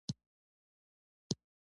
د پلیور دریڅه خلاصه او پاسته شوي توکي داخلوي.